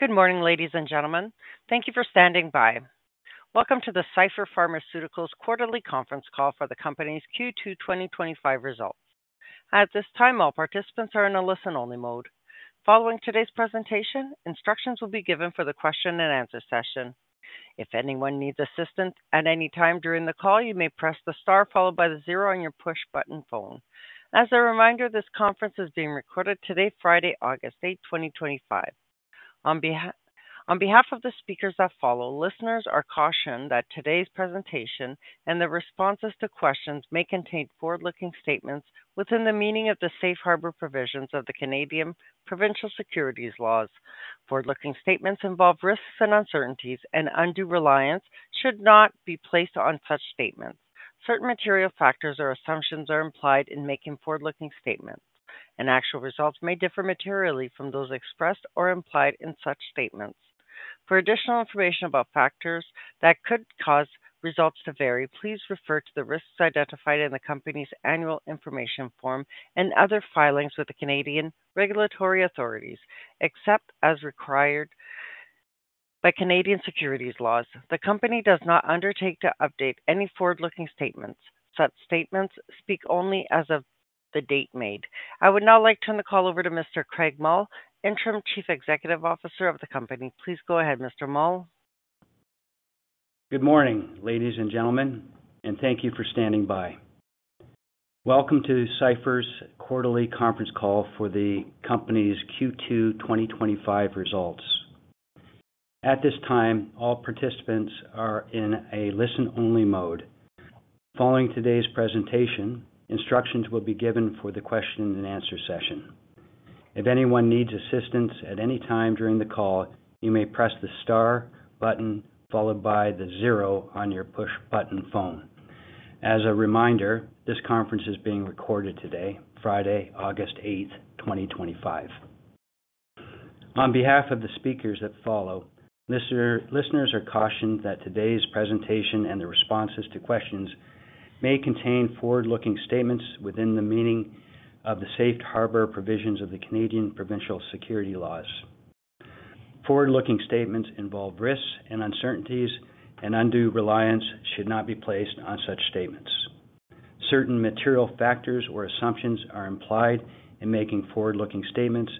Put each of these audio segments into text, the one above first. Good morning, ladies and gentlemen. Thank you for standing by. Welcome to the Cipher Pharmaceuticals' Quarterly Conference Call for the Company's Q2 2025 Results. At this time, all participants are in a listen-only mode. Following today's presentation, instructions will be given for the question and answer session. If anyone needs assistance at any time during the call, you may press the star followed by the zero on your push button phone. As a reminder, this conference is being recorded today, Friday, August 8, 2025. On behalf of the speakers that follow, listeners are cautioned that today's presentation and the responses to questions may contain forward-looking statements within the meaning of the safe harbor provisions of the Canadian Provincial Securities Laws. Forward-looking statements involve risks and uncertainties, and undue reliance should not be placed on such statements. Certain material factors or assumptions are implied in making forward-looking statements, and actual results may differ materially from those expressed or implied in such statements. For additional information about factors that could cause results to vary, please refer to the risks identified in the company's annual information form and other filings with the Canadian regulatory authorities. Except as required by Canadian Securities Laws, the company does not undertake to update any forward-looking statements. Such statements speak only as of the date made. I would now like to turn the call over to Mr. Craig Mull, Interim Chief Executive Officer of the company. Please go ahead, Mr. Mull. Good morning, ladies and gentlemen, and thank you for standing by. Welcome to Cipher' Quarterly Conference Call for the Company's Q2 2025 Results. At this time, all participants are in a listen-only mode. Following today's presentation, instructions will be given for the question and answer session. If anyone needs assistance at any time during the call, you may press the star button followed by the zero on your push button phone. As a reminder, this conference is being recorded today, Friday, August 8th 2025. On behalf of the speakers that follow, listeners are cautioned that today's presentation and the responses to questions may contain forward-looking statements within the meaning of the safe harbor provisions of the Canadian Provincial Security Laws. Forward-looking statements involve risks and uncertainties, and undue reliance should not be placed on such statements. Certain material factors or assumptions are implied in making forward-looking statements,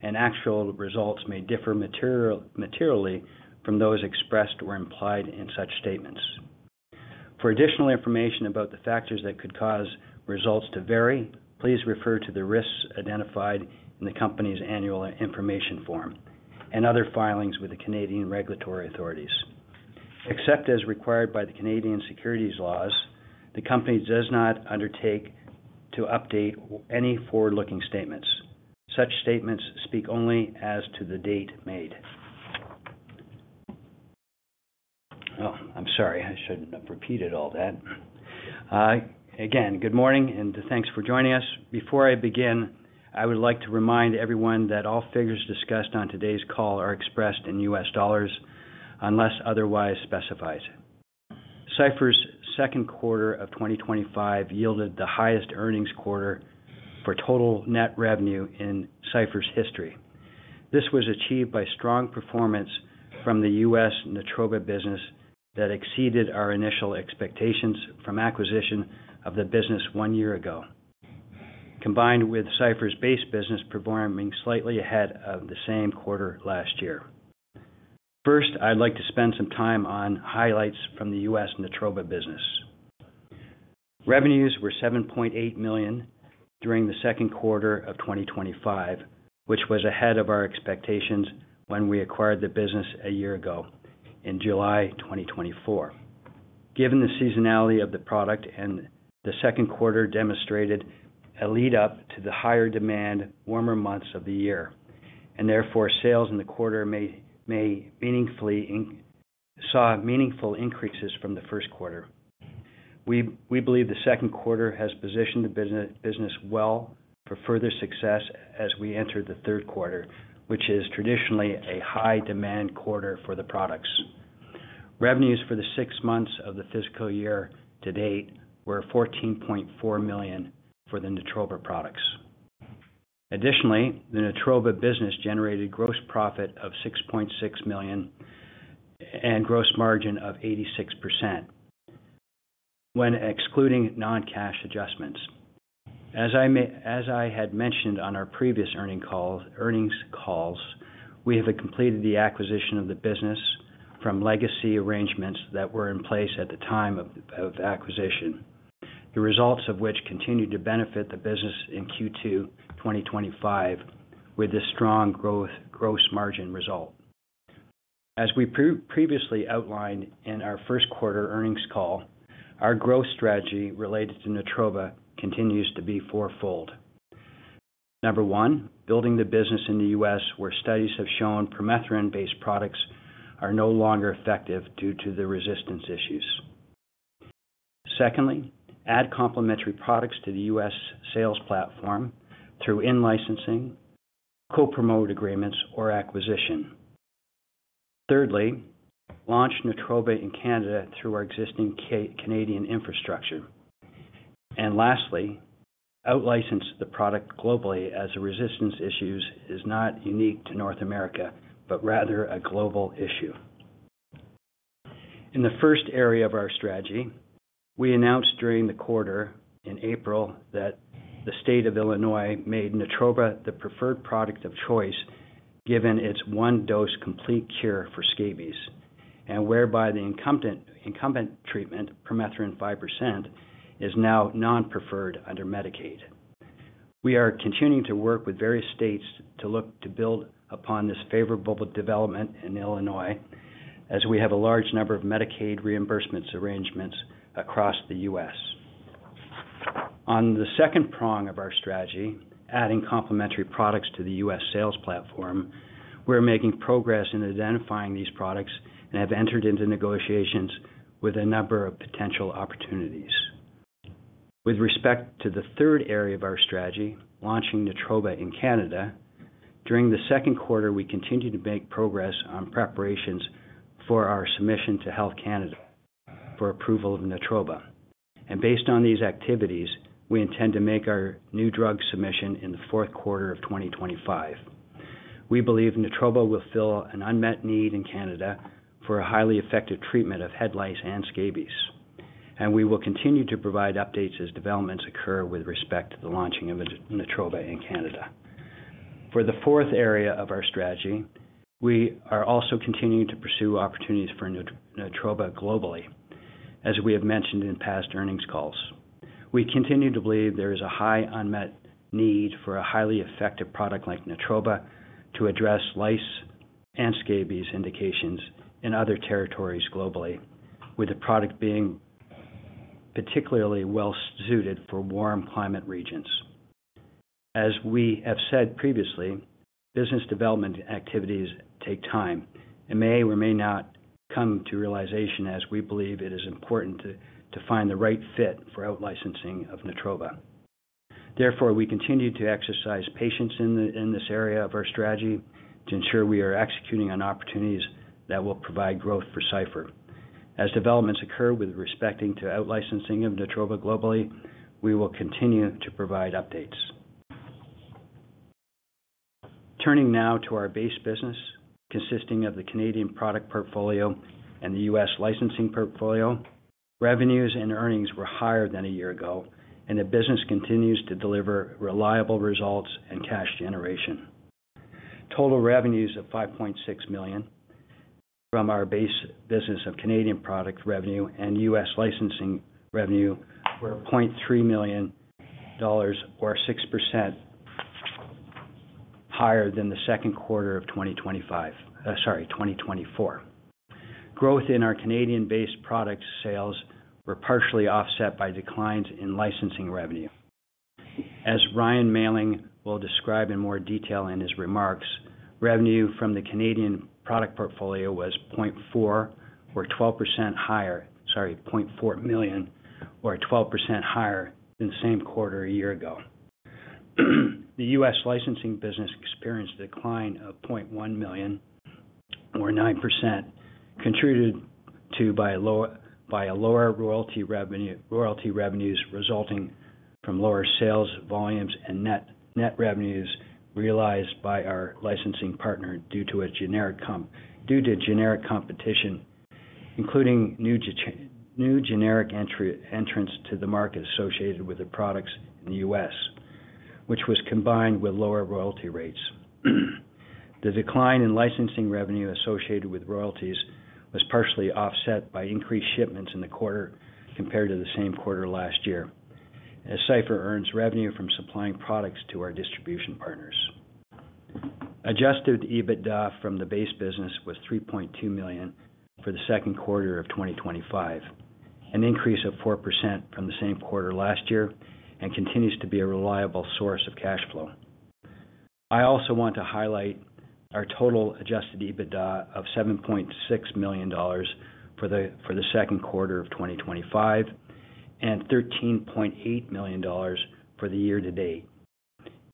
and actual results may differ materially from those expressed or implied in such statements. For additional information about the factors that could cause results to vary, please refer to the risks identified in the company's annual information form and other filings with the Canadian regulatory authorities. Except as required by the Canadian Securities Laws, the company does not undertake to update any forward-looking statements. Such statements speak only as to the date made. Again, good morning and thanks for joining us. Before I begin, I would like to remind everyone that all figures discussed on today's call are expressed in US dollars unless otherwise specified. Cipher' second quarter of 2025 yielded the highest earnings quarter for total net revenue in Cipher's history. This was achieved by strong performance from the U.S. NATROBA business that exceeded our initial expectations from acquisition of the business one year ago, combined with Cipher's base business performing slightly ahead of the same quarter last year. First, I'd like to spend some time on highlights from the U.S. NATROBA business. Revenues were $7.8 million during the second quarter of 2025, which was ahead of our expectations when we acquired the business a year ago, in July 2024. Given the seasonality of the product and the second quarter demonstrated a lead-up to the higher demand warmer months of the year, and therefore sales in the quarter saw meaningful increases from the first quarter. We believe the second quarter has positioned the business well for further success as we enter the third quarter, which is traditionally a high-demand quarter for the products. Revenues for the six months of the fiscal year to date were $14.4 million for the NATROBA products. Additionally, the NATROBA business generated a gross profit of $6.6 million and a gross margin of 86% when excluding non-cash adjustments. As I had mentioned on our previous earnings calls, we have completed the acquisition of the business from legacy arrangements that were in place at the time of acquisition, the results of which continue to benefit the business in Q2 2025 with this strong gross margin result. As we previously outlined in our first quarter earnings call, our growth strategy related to NATROBA continues to be four-fold. Number one, building the business in the U.S. where studies have shown permethrin-based products are no longer effective due to the resistance issues. Secondly, add complementary products to the U.S. sales platform through in-licensing, co-promote agreements, or acquisition. Thirdly, launch NATROBA in Canada through our existing Canadian infrastructure. Lastly, out-license the product globally as the resistance issue is not unique to North America, but rather a global issue. In the first area of our strategy, we announced during the quarter in April that the state of Illinois made NATROBA the preferred product of choice given its one-dose complete cure for scabies and whereby the incumbent treatment, permethrin 5%, is now non-preferred under Illinois Medicaid. We are continuing to work with various states to look to build upon this favorable development in Illinois as we have a large number of Medicaid reimbursement arrangements across the U.S. On the second prong of our strategy, adding complementary products to the U.S. sales platform, we're making progress in identifying these products and have entered into negotiations with a number of potential opportunities. With respect to the third area of our strategy, launching NATROBA in Canada, during the second quarter, we continue to make progress on preparations for our submission to Health Canada for approval of NATROBA. Based on these activities, we intend to make our new drug submission in the fourth quarter of 2025. We believe NATROBA will fill an unmet need in Canada for a highly effective treatment of head lice and scabies, and we will continue to provide updates as developments occur with respect to the launching of NATROBA in Canada. For the fourth area of our strategy, we are also continuing to pursue opportunities for NATROBA globally, as we have mentioned in past earnings calls. We continue to believe there is a high unmet need for a highly effective product like NATROBA to address lice and scabies indications in other territories globally, with the product being particularly well-suited for warm climate regions. As we have said previously, business development activities take time and may or may not come to realization, as we believe it is important to find the right fit for out-licensing of NATROBA. Therefore, we continue to exercise patience in this area of our strategy to ensure we are executing on opportunities that will provide growth for Cipher. As developments occur with respect to out-licensing of NATROBA globally, we will continue to provide updates. Turning now to our base business, consisting of the Canadian product portfolio and the U.S. licensing portfolio, revenues and earnings were higher than a year ago, and the business continues to deliver reliable results and cash generation. Total revenues of $5.6 million from our base business of Canadian product revenue and U.S. licensing revenue were $0.3 million, or 6% higher than the second quarter of 2024. Growth in our Canadian-based product sales was partially offset by declines in licensing revenue. As Ryan Mailling will describe in more detail in his remarks, revenue from the Canadian product portfolio was $0.4 million or 12% higher than the same quarter a year ago. The U.S. licensing business experienced a decline of $0.1 million or 9%, contributed to by lower royalty revenues resulting from lower sales volumes and net revenues realized by our licensing partner due to generic competition, including new generic entrants to the market associated with the products in the U.S., which was combined with lower royalty rates. The decline in licensing revenue associated with royalties was partially offset by increased shipments in the quarter compared to the same quarter last year, as Cipher earns revenue from supplying products to our distribution partners. Adjusted EBITDA from the base business was $3.2 million for the second quarter of 2025, an increase of 4% from the same quarter last year and continues to be a reliable source of cash flow. I also want to highlight our total adjusted EBITDA of $7.6 million for the second quarter of 2025 and $13.8 million for the year to date.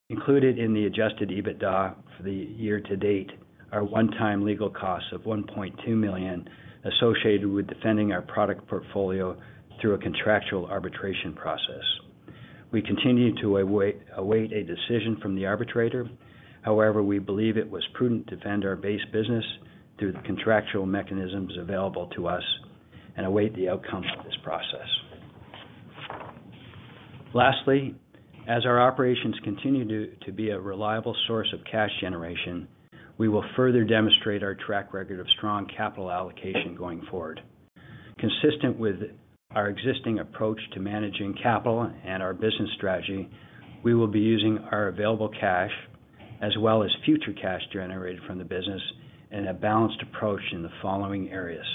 Included in the adjusted EBITDA for the year to date are one-time legal costs of $1.2 million associated with defending our product portfolio through a contractual arbitration process. We continue to await a decision from the arbitrator, however, we believe it was prudent to defend our base business through the contractual mechanisms available to us and await the outcomes of this process. Lastly, as our operations continue to be a reliable source of cash generation, we will further demonstrate our track record of strong capital allocation going forward. Consistent with our existing approach to managing capital and our business strategy, we will be using our available cash as well as future cash generated from the business in a balanced approach in the following areas.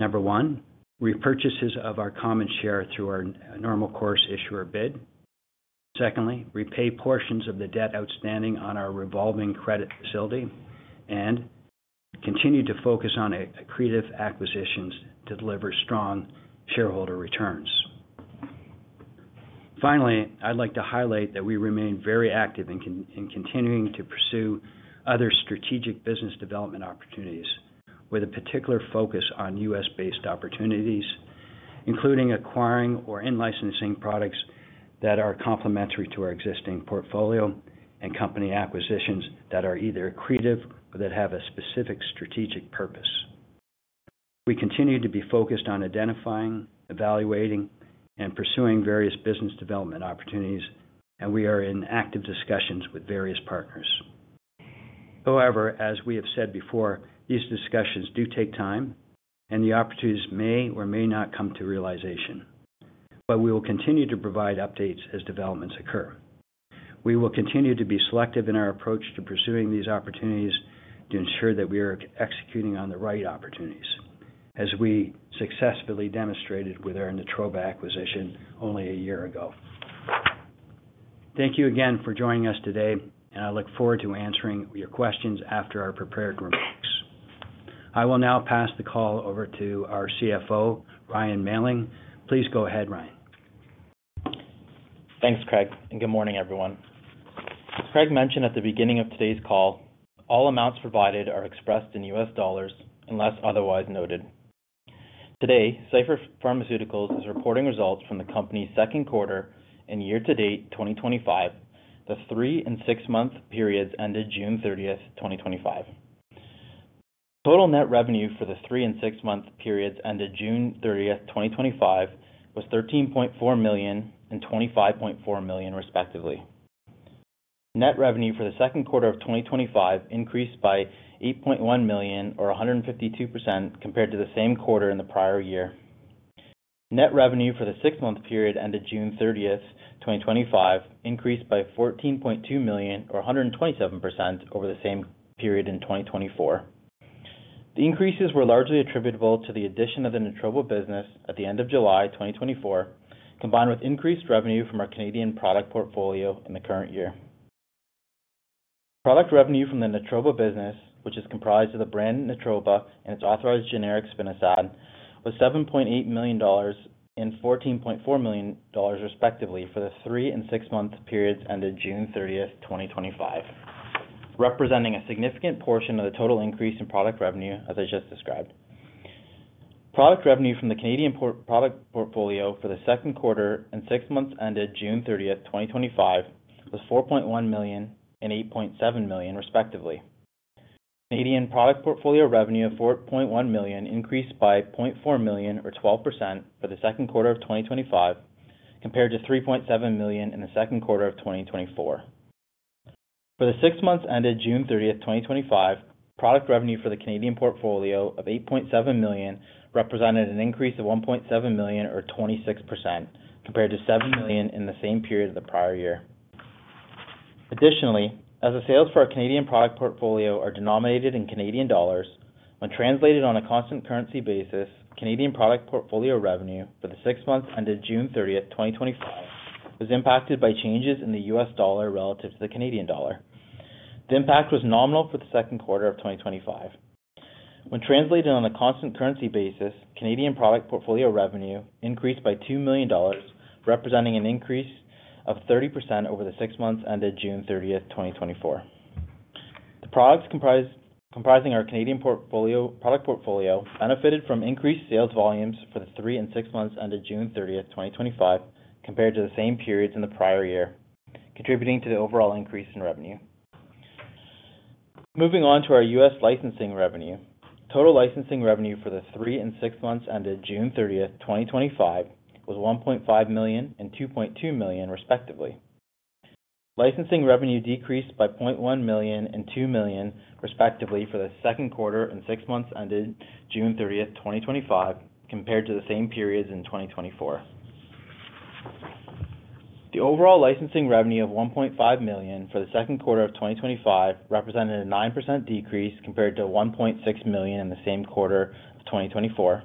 Number one, repurchases of our common share through our normal course issuer bid. Secondly, repay portions of the debt outstanding on our revolving credit facility and continue to focus on creative acquisitions to deliver strong shareholder returns. Finally, I'd like to highlight that we remain very active in continuing to pursue other strategic business development opportunities with a particular focus on U.S.-based opportunities, including acquiring or in-licensing products that are complementary to our existing portfolio and company acquisitions that are either creative or that have a specific strategic purpose. We continue to be focused on identifying, evaluating, and pursuing various business development opportunities, and we are in active discussions with various partners. However, as we have said before, these discussions do take time, and the opportunities may or may not come to realization, but we will continue to provide updates as developments occur. We will continue to be selective in our approach to pursuing these opportunities to ensure that we are executing on the right opportunities, as we successfully demonstrated with our NATROBA acquisition only a year ago. Thank you again for joining us today, and I look forward to answering your questions after our prepared remarks. I will now pass the call over to our CFO, Ryan Mailling. Please go ahead, Ryan. Thanks, Craig, and good morning, everyone. As Craig mentioned at the beginning of today's call, all amounts provided are expressed in US dollars unless otherwise noted. Today, Cipher Pharmaceuticals is reporting results from the company's second quarter and year to date, 2025, the three and six-month periods ended June 30th, 2025. Total net revenue for the three and six-month periods ended June 30th, 2025, was $13.4 million and $25.4 million, respectively. Net revenue for the second quarter of 2025 increased by $8.1 million, or 152%, compared to the same quarter in the prior year. Net revenue for the six-month period ended June 30th, 2025, increased by $14.2 million, or 127%, over the same period in 2024. The increases were largely attributable to the addition of the NATROBA business at the end of July 2024, combined with increased revenue from our Canadian product portfolio in the current year. Product revenue from the NATROBA business, which is comprised of the brand NATROBA and its authorized generic spinosad, was $7.8 million and $14.4 million, respectively, for the three and six-month periods ended June 30, 2025, representing a significant portion of the total increase in product revenue, as I just described. Product revenue from the Canadian product portfolio for the second quarter and six months ended June 30th, 2025, was $4.1 million and $8.7 million, respectively. Canadian product portfolio revenue of $4.1 million increased by $0.4 million, or 12%, for the second quarter of 2025, compared to $3.7 million in the second quarter of 2024. For the six months ended June 30th, 2025, product revenue for the Canadian portfolio of $8.7 million represented an increase of $1.7 million, or 26%, compared to $7 million in the same period of the prior year. Additionally, as the sales for our Canadian product portfolio are denominated in Canadian dollars, when translated on a constant currency basis, Canadian product portfolio revenue for the six months ended June 30th, 2025, was impacted by changes in the US dollar relative to the Canadian dollar. The impact was nominal for the second quarter of 2025. When translated on a constant currency basis, Canadian product portfolio revenue increased by $2 million, representing an increase of 30% over the six months ended June 30th, 2024. The products comprising our Canadian product portfolio benefited from increased sales volumes for the three and six months ended June 30th, 2025, compared to the same periods in the prior year, contributing to the overall increase in revenue. Moving on to our U.S. licensing revenue, total licensing revenue for the three and six months ended June 30th, 2025, was $1.5 million and $2.2 million, respectively. Licensing revenue decreased by $0.1 million and $2 million, respectively, for the second quarter and six months ended June 30th, 2025, compared to the same periods in 2024. The overall licensing revenue of $1.5 million for the second quarter of 2025 represented a 9% decrease compared to $1.6 million in the same quarter of 2024.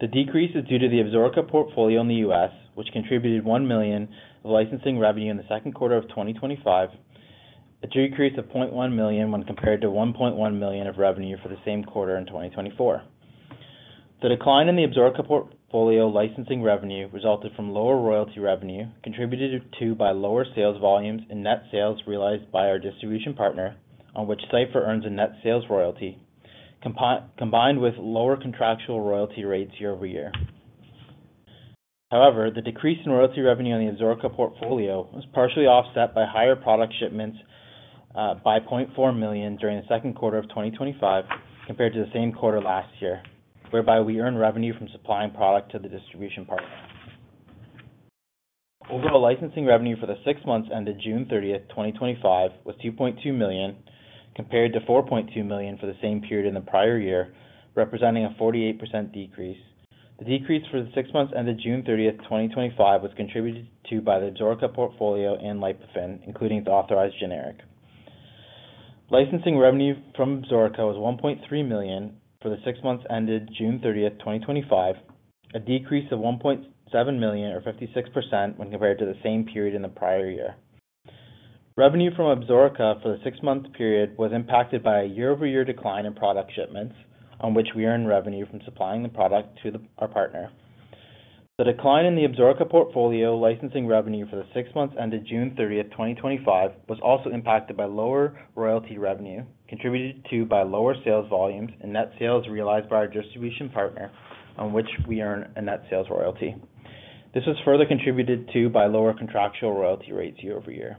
The decrease is due to the ABSORICA portfolio in the U.S., which contributed $1 million of licensing revenue in the second quarter of 2025, a decrease of $0.1 million when compared to $1.1 million of revenue for the same quarter in 2024. The decline in the ABSORICA portfolio licensing revenue resulted from lower royalty revenue contributed to by lower sales volumes and net sales realized by our distribution partner, on which Cipher earns a net sales royalty, combined with lower contractual royalty rates year-over-year. However, the decrease in royalty revenue in the ABSORICA portfolio was partially offset by higher product shipments by $0.4 million during the second quarter of 2025 compared to the same quarter last year, whereby we earned revenue from supplying product to the distribution partner. Overall licensing revenue for the six months ended June 30th, 2025, was $2.2 million compared to $4.2 million for the same period in the prior year, representing a 48% decrease. The decrease for the six months ended June 30th, 2025, was contributed to by the ABSORICA portfolio and Lipofen, including the authorized generic. Licensing revenue from ABSORICA was $1.3 million for the six months ended June 30th, 2025, a decrease of $1.7 million or 56% when compared to the same period in the prior year. Revenue from ABSORICA for the six-month period was impacted by a year-over-year decline in product shipments, on which we earned revenue from supplying the product to our partner. The decline in the Absorica portfolio licensing revenue for the six months ended June 30th, 2025, was also impacted by lower royalty revenue contributed to by lower sales volumes and net sales realized by our distribution partner, on which we earned a net sales royalty. This was further contributed to by lower contractual royalty rates year-over-year.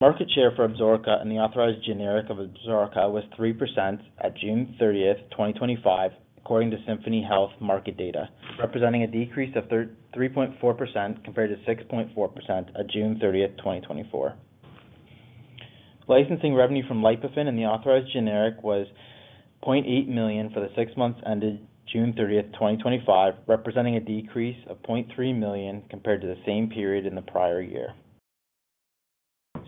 Market share for ABSORICA and the authorized generic of ABSORICA was 3% at June 30th, 2025, according to Symphony Health market data, representing a decrease of 3.4% compared to 6.4% at June 30th, 2024. Licensing revenue from Lipofen and the authorized generic was $0.8 million for the six months ended June 30th, 2025, representing a decrease of $0.3 million compared to the same period in the prior year.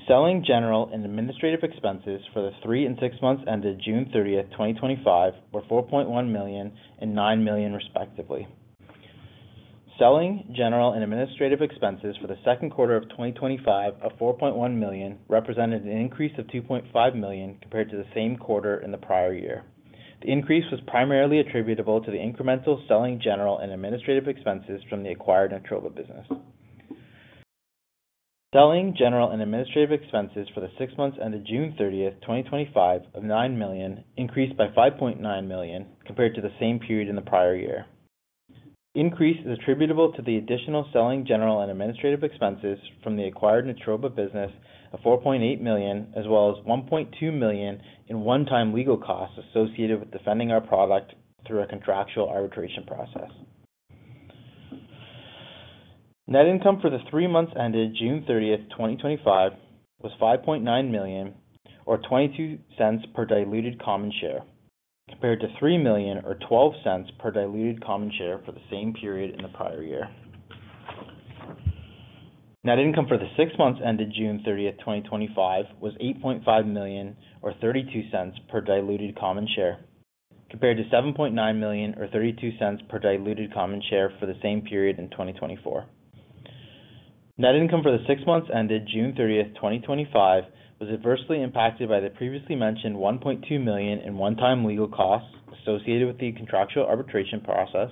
Selling, general and administrative expenses for the three and six months ended June 30th, 2025, were $4.1 million and $9 million, respectively. Selling, general and administrative expenses for the second quarter of 2025 of $4.1 million represented an increase of $2.5 million compared to the same quarter in the prior year. The increase was primarily attributable to the incremental selling, general and administrative expenses from the acquired NATROBA business. Selling, general and administrative expenses for the six months ended June 30th 2025, of $9 million increased by $5.9 million compared to the same period in the prior year. The increase is attributable to the additional selling, general and administrative expenses from the acquired NATROBA business of $4.8 million, as well as $1.2 million in one-time legal costs associated with defending our product through a contractual arbitration process. Net income for the three months ended June 30th, 2025, was $5.9 million or $0.22 per diluted common share, compared to $3 million or $0.12 per diluted common share for the same period in the prior year. Net income for the six months ended June 30th 2025, was $8.5 million or $0.32 per diluted common share, compared to $7.9 million or $0.32 per diluted common share for the same period in 2024. Net income for the six months ended June 30th 2025, was adversely impacted by the previously mentioned $1.2 million in one-time legal costs associated with the contractual arbitration process,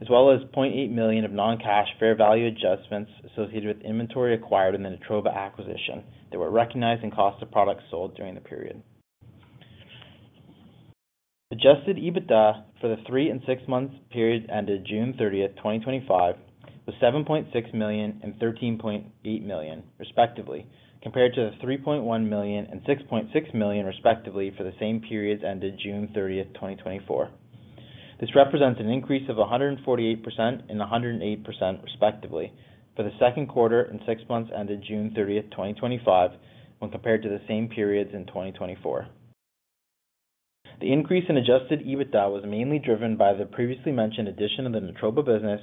as well as $0.8 million of non-cash fair value adjustments associated with inventory acquired in the NATROBA acquisition that were recognized in cost of products sold during the period. Adjusted EBITDA for the three and six months period ended June 30th 2025, was $7.6 million and $13.8 million, respectively, compared to the $3.1 million and $6.6 million, respectively, for the same periods ended June 30th 2024. This represents an increase of 148% and 108%, respectively, for the second quarter and six months ended June 30th 2025, when compared to the same periods in 2024. The increase in adjusted EBITDA was mainly driven by the previously mentioned addition of the NATROBA business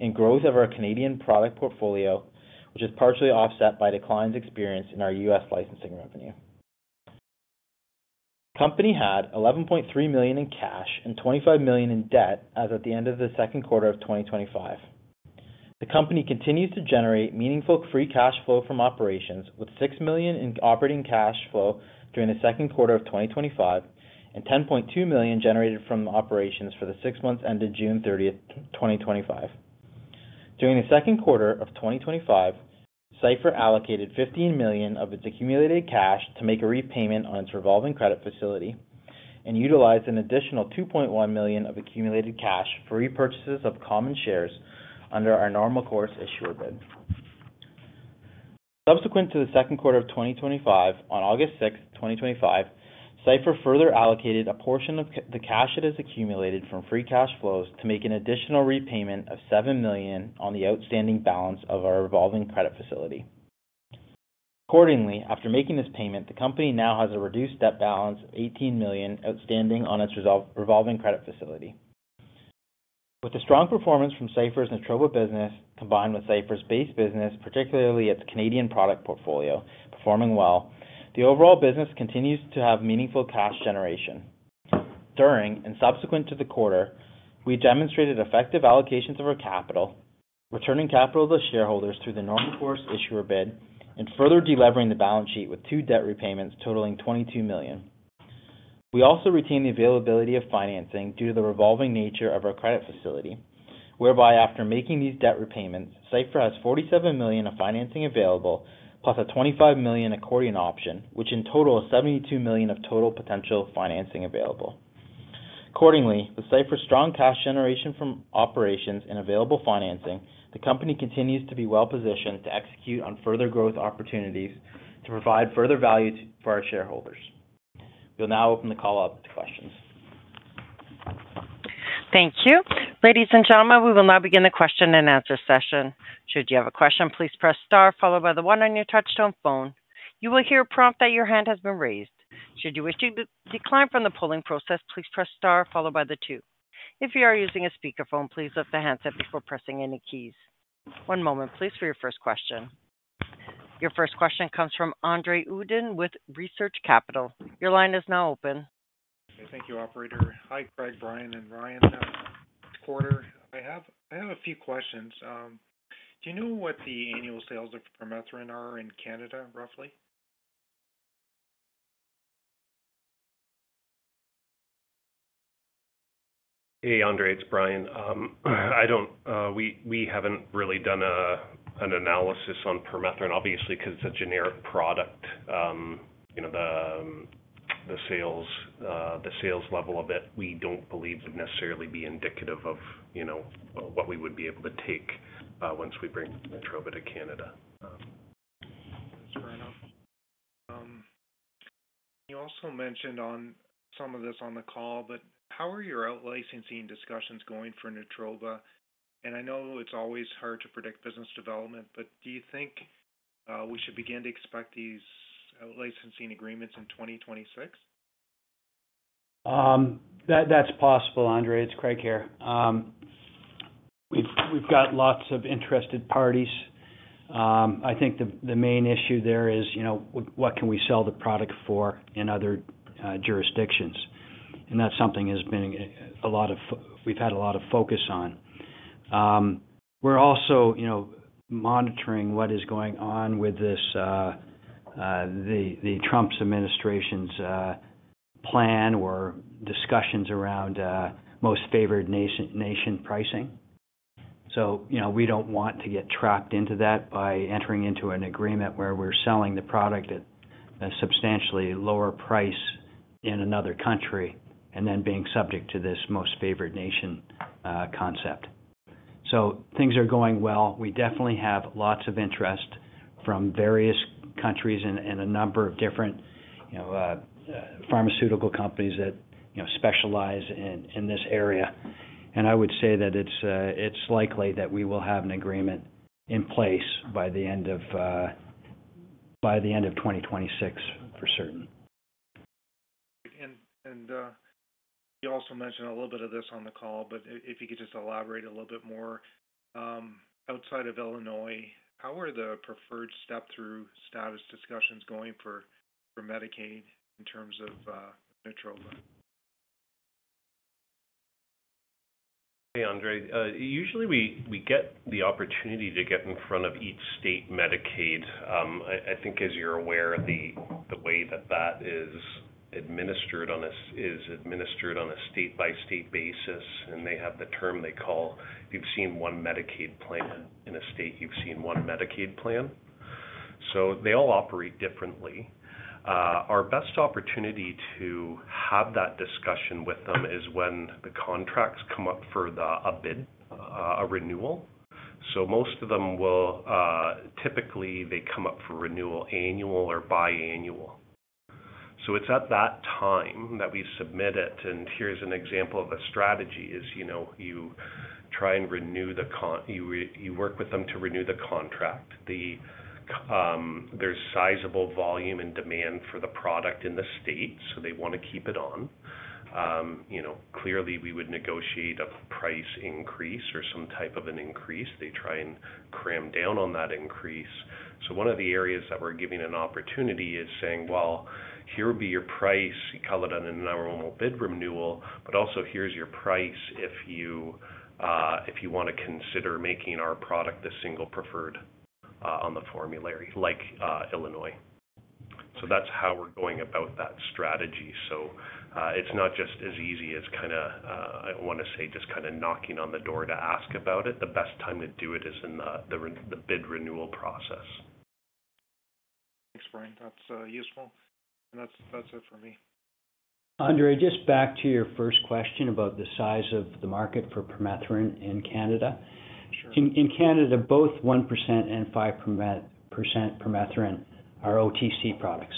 and growth of our Canadian product portfolio, which is partially offset by declines experienced in our U.S. licensing revenue. The company had $11.3 million in cash and $25 million in debt as at the end of the second quarter of 2025. The company continues to generate meaningful free cash flow from operations, with $6 million in operating cash flow during the second quarter of 2025 and $10.2 million generated from operations for the six months ended June 30th 2025. During the second quarter of 2025, Cipher allocated $15 million of its accumulated cash to make a repayment on its revolving credit facility and utilized an additional $2.1 million of accumulated cash for repurchases of common shares under our normal course issuer bid. Subsequent to the second quarter of 2025, on August 6th 2025, Cipher further allocated a portion of the cash it has accumulated from free cash flows to make an additional repayment of $7 million on the outstanding balance of our revolving credit facility. Accordingly, after making this payment, the company now has a reduced debt balance of $18 million outstanding on its revolving credit facility. With the strong performance from Cipher's NATROBA business, combined with Cipher's base business, particularly its Canadian product portfolio performing well, the overall business continues to have meaningful cash generation. During and subsequent to the quarter, we demonstrated effective allocations of our capital, returning capital to shareholders through the normal course issuer bid and further delevering the balance sheet with two debt repayments totaling $22 million. We also retain the availability of financing due to the revolving nature of our credit facility, whereby after making these debt repayments, Cipher has $47 million of financing available, plus a $25 million accordion option, which in total is $72 million of total potential financing available. Accordingly, with Cipher's strong cash generation from operations and available financing, the company continues to be well-positioned to execute on further growth opportunities to provide further value for our shareholders. We'll now open the call up to questions. Thank you. Ladies and gentlemen, we will now begin the question and answer session. Should you have a question, please press star followed by the one on your touch-tone phone. You will hear a prompt that your hand has been raised. Should you wish to decline from the polling process, please press star followed by the two. If you are using a speakerphone, please lift the handset before pressing any keys. One moment, please, for your first question. Your first question comes from Andre Uddin with Research Capital. Your line is now open. Okay, thank you, operator. Hi, Craig, Bryan, and Ryan. It's quarter. I have a few questions. Do you know what the annual sales of permethrin are in Canada, roughly? Hey, Andre, it's Bryan. We haven't really done an analysis on permethrin, obviously, because it's a generic product. The sales level of it, we don't believe would necessarily be indicative of what we would be able to take once we bring NATROBA to Canada. That's fair enough. You also mentioned some of this on the call, but how are your out-licensing discussions going for NATROBA? I know it's always hard to predict business development, but do you think we should begin to expect these out-licensing agreements in 2026? That's possible, Andre. It's Craig here. We've got lots of interested parties. I think the main issue there is, you know, what can we sell the product for in other jurisdictions? That's something we've had a lot of focus on. We're also monitoring what is going on with the Trump administration's plan or discussions around most favored nation pricing. We don't want to get trapped into that by entering into an agreement where we're selling the product at a substantially lower price in another country and then being subject to this most favored nation concept. Things are going well. We definitely have lots of interest from various countries and a number of different pharmaceutical companies that specialize in this area. I would say that it's likely that we will have an agreement in place by the end of 2026 for certain. You also mentioned a little bit of this on the call, but if you could just elaborate a little bit more. Outside of Illinois, how are the preferred step-through status discussions going for Medicaid in terms of NATROBA? Hey, Andre. Usually, we get the opportunity to get in front of each state Medicaid. I think, as you're aware, the way that is administered is on a state-by-state basis, and they have the term they call, you've seen one Medicaid plan in a state, you've seen one Medicaid plan. They all operate differently. Our best opportunity to have that discussion with them is when the contracts come up for a bid, a renewal. Most of them will, typically, come up for renewal annual or biannual. It is at that time that we submit it. Here's an example of a strategy: you try and renew, you work with them to renew the contract. There is sizable volume and demand for the product in the state, so they want to keep it on. Clearly, we would negotiate a price increase or some type of an increase. They try and cram down on that increase. One of the areas that we're giving an opportunity is saying, here would be your price on an annual bid renewal, but also here's your price if you want to consider making our product the single preferred on the formulary, like Illinois. That is how we're going about that strategy. It is not just as easy as, I want to say, just kind of knocking on the door to ask about it. The best time to do it is in the bid renewal process. Thanks, Bryan. That's useful. That's it for me. Andre, just back to your first question about the size of the market for permethrin in Canada. In Canada, both 1% and 5% permethrin are OTC products.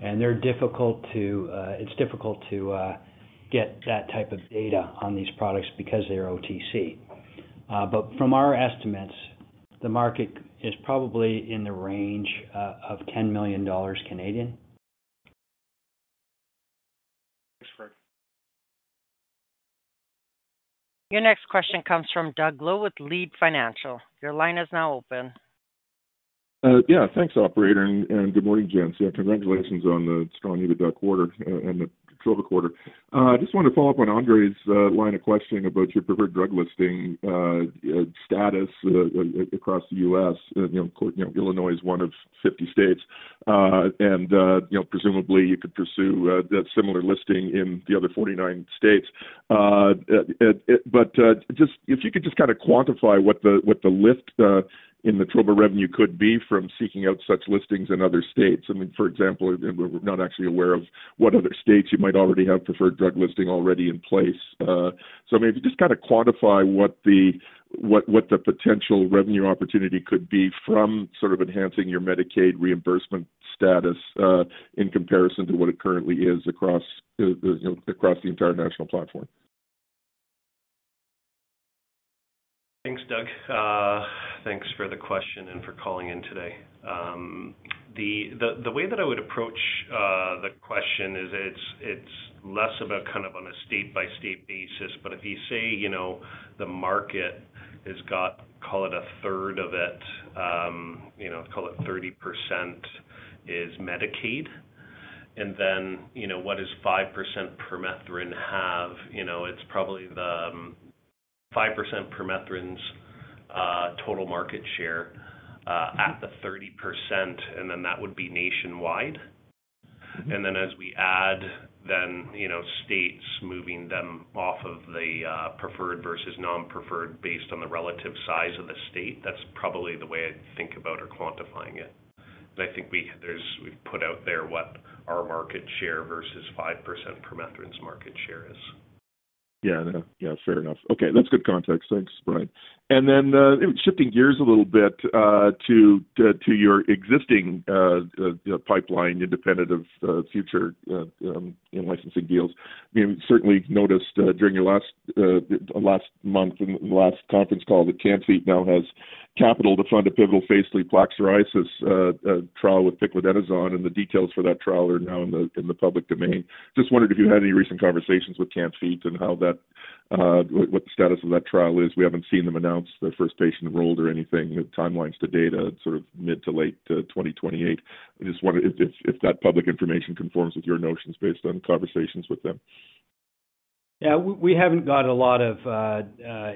They're difficult to, it's difficult to get that type of data on these products because they're OTC, but from our estimates, the market is probably in the range of 10 million Canadian dollars. Thanks, Craig. Your next question comes from Douglas Loe with Leede Financial. Your line is now open. Yeah, thanks, operator, and good morning, Gents. Congratulations on the strong EBITDA quarter and the NATROBA quarter. I just wanted to follow up on Andre's line of questioning about your preferred drug listing status across the U.S. Illinois is one of 50 states, and presumably you could pursue a similar listing in the other 49 states. If you could just kind of quantify what the lift in Natroba revenue could be from seeking out such listings in other states. For example, we're not actually aware of what other states you might already have preferred drug listing already in place. If you just kind of quantify what the potential revenue opportunity could be from enhancing your Medicaid reimbursement status in comparison to what it currently is across the entire national platform. Thanks, Doug. Thanks for the question and for calling in today. The way that I would approach the question is it's less of a kind of on a state-by-state basis, but if you say, you know, the market has got, call it a third of it, you know, call it 30% is Medicaid. Then, you know, what does 5% permethrin have? You know, it's probably the 5% permethrin's total market share at the 30%, and that would be nationwide. As we add states, moving them off of the preferred versus non-preferred based on the relative size of the state, that's probably the way I think about or quantifying it. I think we've put out there what our market share versus 5% permethrin's market share is. Yeah, yeah, fair enough. Okay, that's good context. Thanks, Bryan. Shifting gears a little bit to your existing pipeline independent of future licensing deals. I mean, certainly noticed during your last month and last conference call that Can-Fite now has capital to fund a pivotal phase III plaque psoriasis trial with piclidenoson, and the details for that trial are now in the public domain. Just wondered if you had any recent conversations with Can-Fite and what the status of that trial is. We haven't seen them announce the first patient enrolled or anything. The timeline's to date at sort of mid to late 2028. I just wondered if that public information conforms with your notions based on conversations with them. Yeah, we haven't got a lot of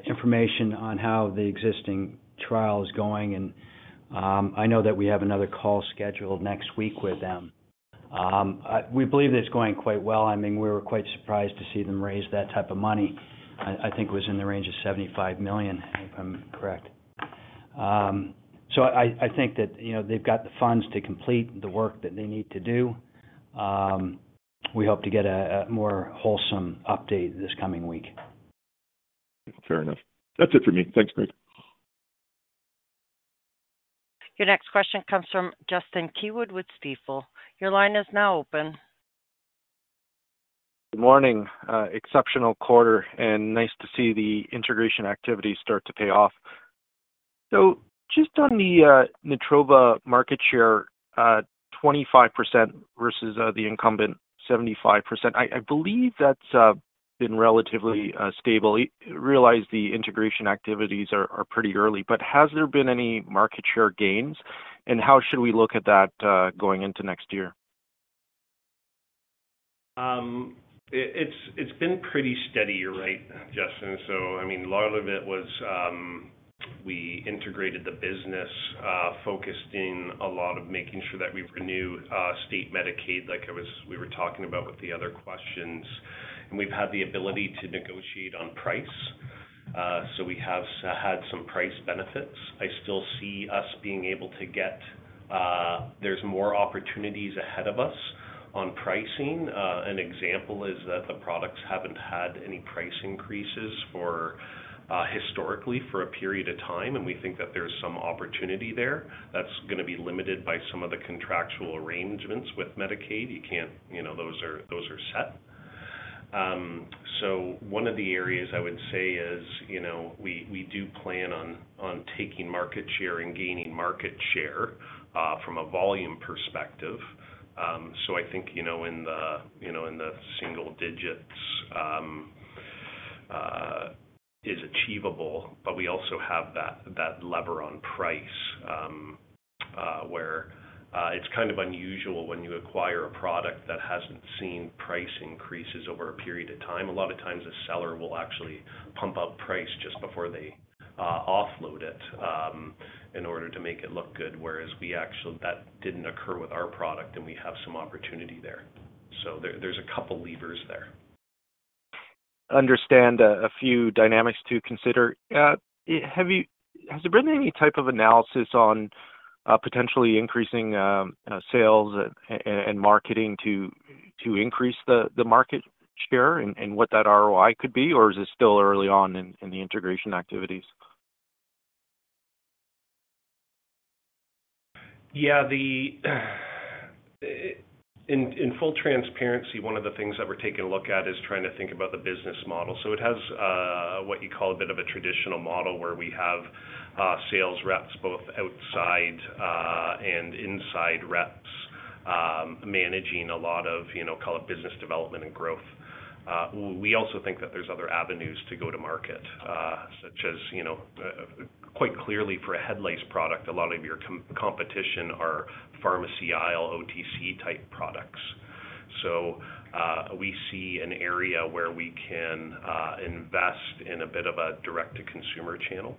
information on how the existing trial is going, and I know that we have another call scheduled next week with them. We believe that it's going quite well. I mean, we were quite surprised to see them raise that type of money. I think it was in the range of $75 million, if I'm correct. I think that, you know, they've got the funds to complete the work that they need to do. We hope to get a more wholesome update this coming week. Fair enough. That's it for me. Thanks, Craig. Your next question comes from Justin Keywood with Stifel. Your line is now open. Good morning. Exceptional quarter, and nice to see the integration activities start to pay off. Just on the NATROBA market share, 25% versus the incumbent, 75%. I believe that's been relatively stable. Realize the integration activities are pretty early, but has there been any market share gains, and how should we look at that going into next year? It's been pretty steady, you're right, Justin. A lot of it was we integrated the business, focused in a lot of making sure that we've renewed state Medicaid like we were talking about with the other questions. We've had the ability to negotiate on price. We have had some price benefits. I still see us being able to get, there's more opportunities ahead of us on pricing. An example is that the products haven't had any price increases historically for a period of time, and we think that there's some opportunity there. That's going to be limited by some of the contractual arrangements with Medicaid. You can't, you know, those are set. One of the areas I would say is, you know, we do plan on taking market share and gaining market share from a volume perspective. I think, you know, in the single digits is achievable, but we also have that lever on price where it's kind of unusual when you acquire a product that hasn't seen price increases over a period of time. A lot of times, a seller will actually pump up price just before they offload it in order to make it look good, whereas we actually, that didn't occur with our product, and we have some opportunity there. There's a couple of levers there. Understand a few dynamics to consider. Has there been any type of analysis on potentially increasing sales and marketing to increase the market share and what that ROI could be, or is it still early on in the integration activities? Yeah, in full transparency, one of the things that we're taking a look at is trying to think about the business model. It has what you call a bit of a traditional model where we have sales reps, both outside and inside reps, managing a lot of, you know, call it business development and growth. We also think that there's other avenues to go to market, such as, quite clearly for a head lice product, a lot of your competition are pharmacy aisle OTC type products. We see an area where we can invest in a bit of a direct-to-consumer channel,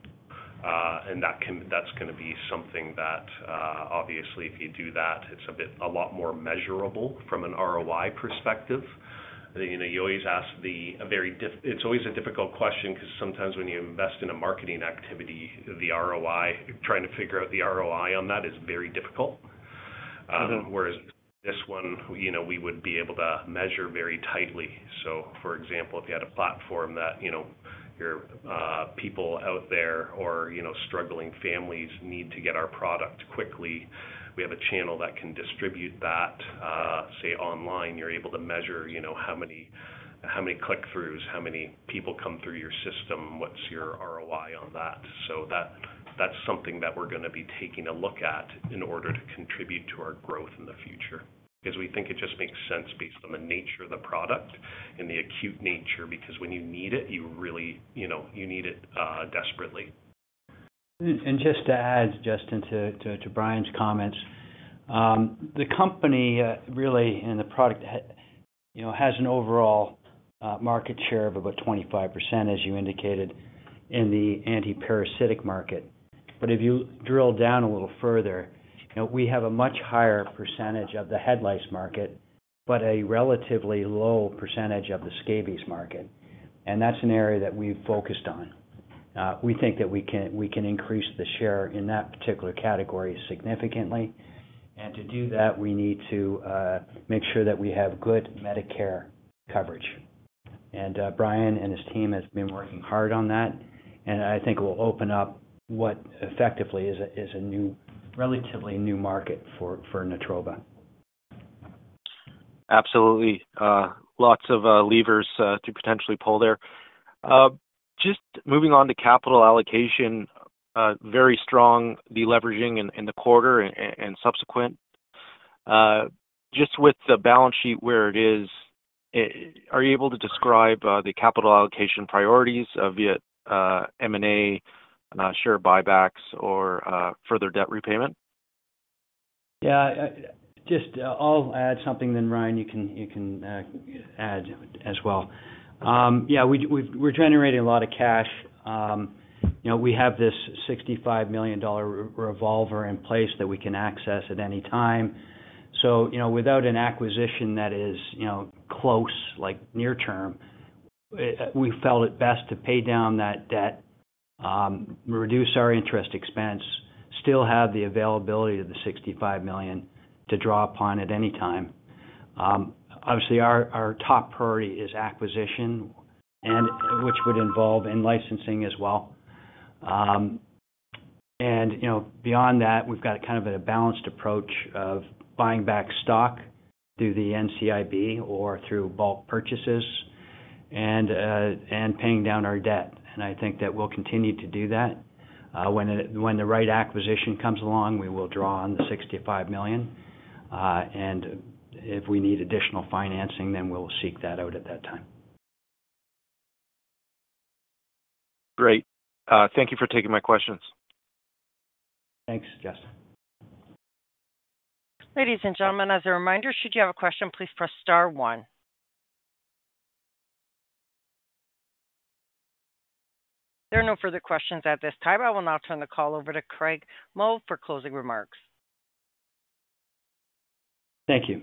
and that's going to be something that, obviously, if you do that, it's a lot more measurable from an ROI perspective. You always ask the very, it's always a difficult question because sometimes when you invest in a marketing activity, the ROI, trying to figure out the ROI on that is very difficult. Whereas this one, we would be able to measure very tightly. For example, if you had a platform that your people out there or struggling families need to get our product quickly, we have a channel that can distribute that, say, online. You're able to measure how many click-throughs, how many people come through your system, what's your ROI on that. That's something that we're going to be taking a look at in order to contribute to our growth in the future because we think it just makes sense based on the nature of the product and the acute nature because when you need it, you really, you need it desperately. Just to add, Justin, to Bryan's comments, the company really, and the product, you know, has an overall market share of about 25% as you indicated in the anti-parasitic market. If you drill down a little further, you know, we have a much higher percentage of the head lice market, but a relatively low percentage of the scabies market. That is an area that we've focused on. We think that we can increase the share in that particular category significantly. To do that, we need to make sure that we have good Medicare coverage. Bryan and his team have been working hard on that. I think it will open up what effectively is a new, relatively new market for NATROBA. Absolutely. Lots of levers to potentially pull there. Just moving on to capital allocation, very strong deleveraging in the quarter and subsequent. Just with the balance sheet where it is, are you able to describe the capital allocation priorities via M&A, share buybacks, or further debt repayment? Yeah, I'll add something then, Bryan. You can add as well. We're generating a lot of cash. We have this $65 million revolver in place that we can access at any time. Without an acquisition that is close, like near term, we felt it best to pay down that debt, reduce our interest expense, and still have the availability of the $65 million to draw upon at any time. Obviously, our top priority is acquisition, which would involve in-licensing as well. Beyond that, we've got kind of a balanced approach of buying back stock through the NCIB or through bulk purchases and paying down our debt. I think that we'll continue to do that. When the right acquisition comes along, we will draw on the $65 million. If we need additional financing, then we'll seek that out at that time. Great. Thank you for taking my questions. Thanks, Jesse. Ladies and gentlemen, as a reminder, should you have a question, please press star one. There are no further questions at this time. I will now turn the call over to Craig Mull for closing remarks. Thank you.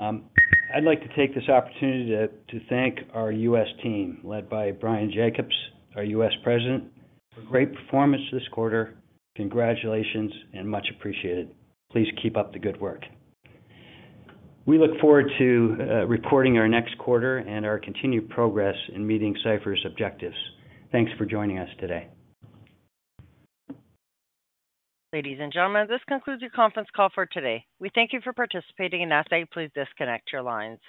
I'd like to take this opportunity to thank our U.S. team, led by Bryan Jacobs, our U.S. President, for a great performance this quarter. Congratulations and much appreciated. Please keep up the good work. We look forward to reporting our next quarter and our continued progress in meeting Cipher's objectives. Thanks for joining us today. Ladies and gentlemen, this concludes your conference call for today. We thank you for participating and ask that you please disconnect your lines.